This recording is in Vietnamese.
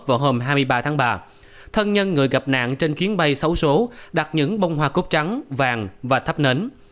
vào hôm hai mươi ba tháng ba thân nhân người gặp nạn trên chuyến bay số số đặt những bông hoa cốt trắng vàng và thắp nến